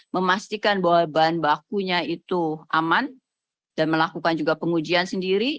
memastikan bahwa bahan bakunya itu aman dan melakukan juga pengujian sendiri